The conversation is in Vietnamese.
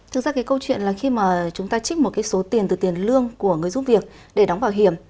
thực ra cái câu chuyện là khi mà chúng ta trích một cái số tiền từ tiền lương của người giúp việc để đóng bảo hiểm